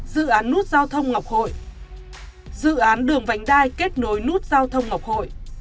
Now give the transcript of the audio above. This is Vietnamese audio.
dự án nút giao thông ngọc hội dự án đường vành đai kết nối nút giao thông ngọc hội